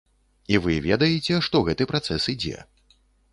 І вы ведаеце, што гэты працэс ідзе.